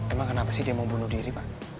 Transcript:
emang kenapa sih dia mau bunuh diri pak